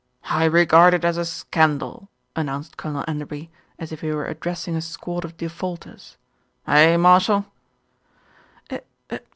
"I regard it as a scandal!" announced Colonel En derby, as if he were addressing a squad of defaulters. "Eh! Marshall?"